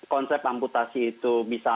konsep amputasi itu bisa